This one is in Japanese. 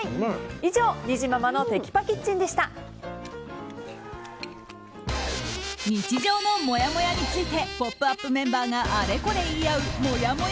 以上、にじままの日常のもやもやについて「ポップＵＰ！」メンバーがあれこれ言い合うもやもや